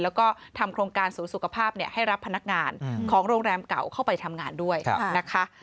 แล้วก็ทำโครงการศูนย์สุขภาพให้รับพนักงานของโรงแรมเก่าเข้าไปทำงานด้วยนะคะ